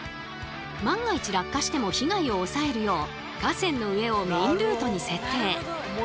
万が一落下しても被害を抑えるよう河川の上をメインルートに設定。